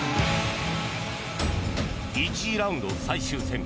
１次ラウンド最終戦。